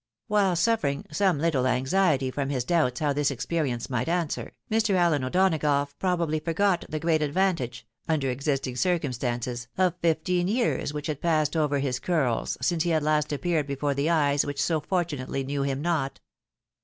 While suffering some Uttle anxiety from his doubts how this experi ment might answer, Mr. AUen O'Donagough probably forgot the great advantage (under existing circumstances) of fifteen years which had passed over his curls since he had last appeared before the eyes which so fortunately knew him not.